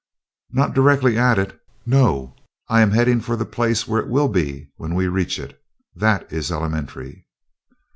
"Not directly at it, no. I am heading for the place where it will be when we reach it. That is elementary."